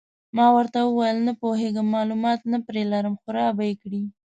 ما ورته وویل: نه پوهېږم، معلومات نه پرې لرم، خو را به یې کړي.